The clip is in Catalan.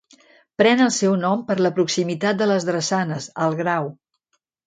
Pren el seu nom per la proximitat de les drassanes, al Grau.